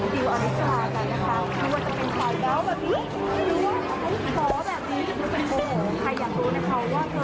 ดูว่าจะเป็นปลายเก้าแบบนี้ดูว่าแบบนี้ใครอยากรู้นะคะ